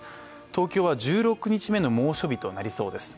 東京は１６日目の猛暑日となりそうです。